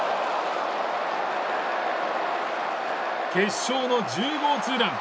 決勝の１０号ツーラン。